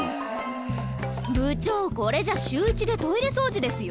部長これじゃ週１でトイレ掃除ですよ！